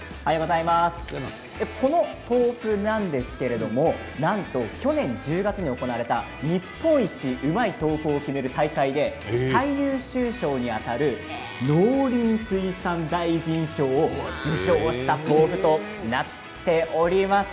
この豆腐なんですけれどもなんと去年１０月に行われた日本一うまい豆腐を決める大会で最優秀賞にあたる農林水産大臣賞を受賞した豆腐となっています。